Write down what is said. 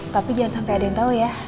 tapi jangan sampai ada yang tahu ya